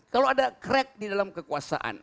kalau ada crack di dalam kekuasaan